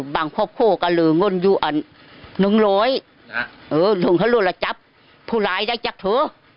บางครอบครูก็เลยง่นอยู่อันหนึ่งร้อยถึงทะลุละจับผู้หลายได้จักเถอะ